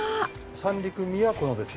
三陸宮古のですね